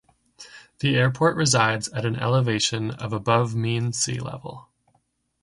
The airport resides at an elevation of above mean sea level.